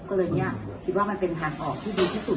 ก็เลยเนี่ยคิดว่ามันเป็นทางออกที่ดีที่สุด